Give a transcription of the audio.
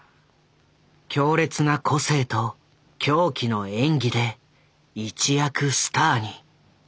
強烈な個性と狂気の演技で一躍スターに。